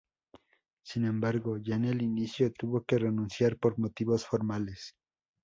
Sin embargo, ya en el inicio tuvo que renunciar por motivos formales.